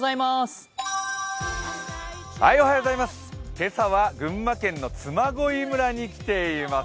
今朝は群馬県の嬬恋村に来ています。